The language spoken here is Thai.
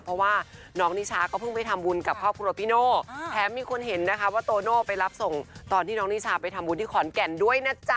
เพราะว่าน้องนิชาก็เพิ่งไปทำบุญกับครอบครัวพี่โน่แถมมีคนเห็นนะคะว่าโตโน่ไปรับส่งตอนที่น้องนิชาไปทำบุญที่ขอนแก่นด้วยนะจ๊ะ